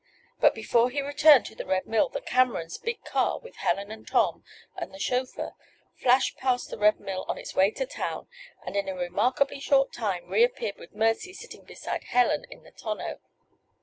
But before he returned to the Red Mill the Camerons' big car, with Helen and Tom and the chauffeur, flashed past the Red Mill on its way to town and in a remarkably short time reappeared with Mercy sitting beside Helen in the tonneau.